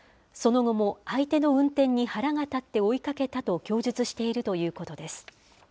その後も相手の運転に腹が立って追いかけたと供述しているということです。